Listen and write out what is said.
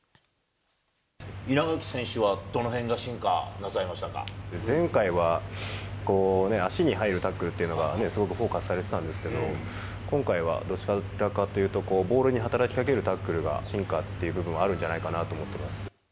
稲垣選手は、前回は足に入るタックルっていうのが、すごくフォーカスされてたんですけど、今回はどちらかというと、ボールに働きかけるタックルが、進化っていう部分はあるんじゃないかなと思ってます。